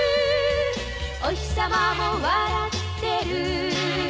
「おひさまも笑ってる」